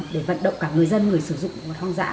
để vận động cả người dân người sử dụng